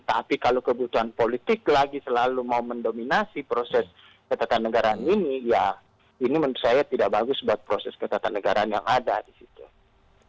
tapi kalau kebutuhan politik lagi selalu mau mendominasi proses ketatanegaraan ini ya ini menurut saya tidak bagus buat proses ketatanegaraan yang ada di situ